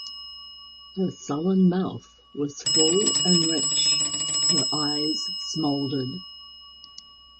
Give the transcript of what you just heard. Her sullen mouth was full and rich -- her eyes smoldered.